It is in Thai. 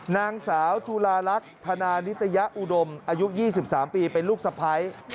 นางสาวจุลาลักษณ์ธนานิตยะอุดมอายุ๒๓ปีเป็นลูกสะพ้าย